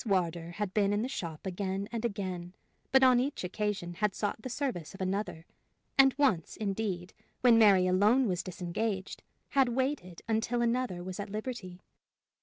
Wardour had been in the shop again and again, but on each occasion had sought the service of another; and once, indeed, when Mary alone was disengaged, had waited until another was at liberty.